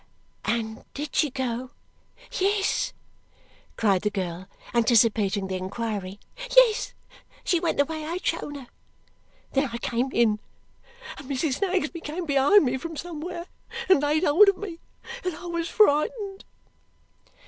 "And did she go " "Yes," cried the girl, anticipating the inquiry. "Yes! She went the way I had shown her. Then I came in, and Mrs. Snagsby came behind me from somewhere and laid hold of me, and I was frightened."